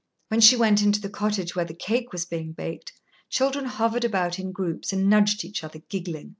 When she went into the cottage where the cake was being baked, children hovered about in groups and nudged each other, giggling.